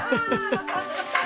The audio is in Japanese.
爆発した。